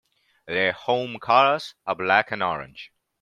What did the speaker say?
Their home colours are black and orange.